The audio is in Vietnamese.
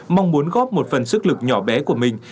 mong muốn góp một phần sức lực nhỏ bé của mình